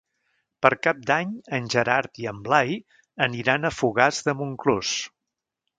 Per Cap d'Any en Gerard i en Blai aniran a Fogars de Montclús.